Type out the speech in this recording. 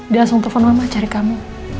dia langsung telepon mama cari kamu